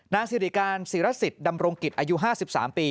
นางศิริการศิรษศิรษศิรษฐ์ดำรงกิจอายุ๕๓ปี